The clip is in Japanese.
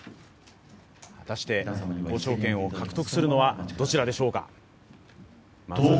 果たして交渉権を獲得するのはどちらでしょうか。